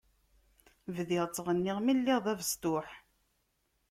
Bdiɣ ttɣenniɣ mi lliɣ d abestuḥ.